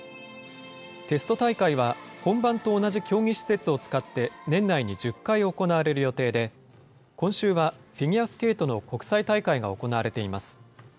テスト大会は本番と同じ競技施設を使って年内に１０回行われる予定で、今週はフィギュアスケートの国際大会が行われています。